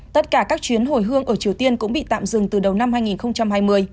tất cả các chuyến hồi hương ở triều tiên cũng bị tạm dừng từ đầu năm hai nghìn hai mươi